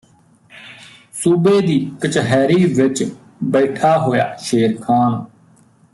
ਸੂਬੇ ਦੀ ਕਹਚਿਰੀ ਵਿੱਚ ਬੈਠਾ ਹੋਇਆ ਸ਼ੇਰ ਖਾਨ